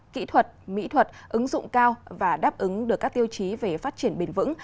kỹ thuật mỹ thuật ứng dụng cao và đáp ứng được các tiêu chí về phát triển bền vững